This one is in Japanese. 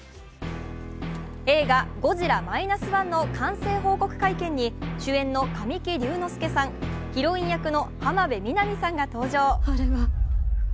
映画「ゴジラ−１．０」の完成報告会見に主演の神木隆之介さん、ヒロイン役の浜辺美波さんが登場。